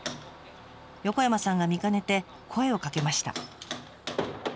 横山さんが見かねて声をかけました。